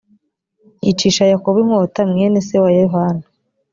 yicisha yakobo inkota mwene se wa yohana